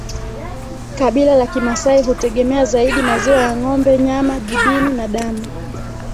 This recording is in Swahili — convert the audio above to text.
kabila la kimasai hutegemea zaidi maziwa ya ngombe nyama jibini na damu